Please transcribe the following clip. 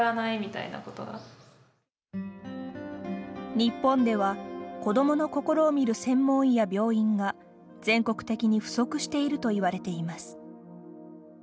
日本では、子どもの心を診る専門医や病院が全国的に不足しているといわれています。